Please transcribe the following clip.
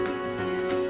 lalu dia nyaman